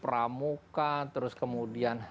ramukan terus kemudian